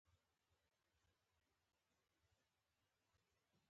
د دولت کارکوونکیو لاره برابره کړه.